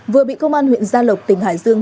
vừa bị công an huyện gia lộc tỉnh hải dương